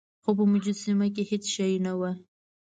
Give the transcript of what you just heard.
خو په مجسمه کې هیڅ شی نه و.